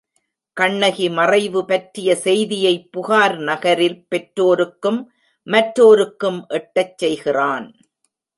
கண்ணகி மறைவு பற்றிய செய்தியைப் புகார் நகரில் பெற்றோருக்கும் மற்றோருக்கும் எட்டச் செய்கிறான்.